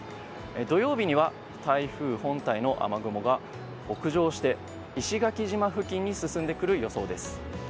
土曜日には台風本体の雨雲が北上して石垣島付近に進んでくる予想です。